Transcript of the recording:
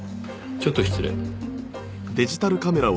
ちょっと失礼。